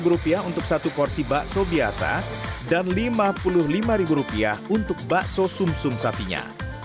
rp lima untuk satu porsi bakso biasa dan rp lima puluh lima untuk bakso sum sum sapinya